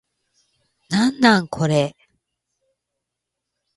なんなんこれ